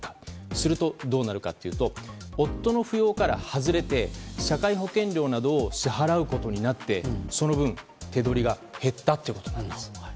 すると、どうなるかというと夫の扶養から外れて社会保険料などを支払うことになってその分、手取りが減ったということになります。